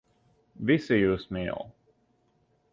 Visi jūs mīl.